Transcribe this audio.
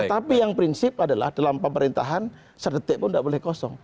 tapi yang prinsip adalah dalam pemerintahan sedetik pun tidak boleh kosong